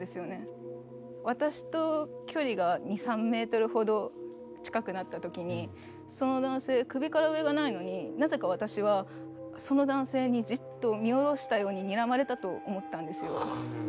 私と距離が２３ｍほど近くなった時にその男性首から上がないのになぜか私はその男性にじっと見下ろしたようににらまれたと思ったんですよ。